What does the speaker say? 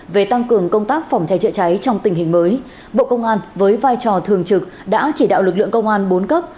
về tăng cường công tác phòng cháy chữa cháy trong tình hình mới bộ công an với vai trò thường trực đã chỉ đạo lực lượng công an bốn cấp